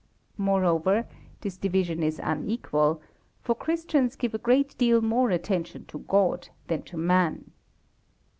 Moreover, this division is unequal. For Christians give a great deal more attention to God than to Man.